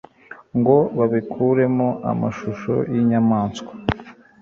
ngo babikuremo amashusho y'inyamaswa